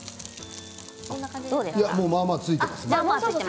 まあまあついていますね。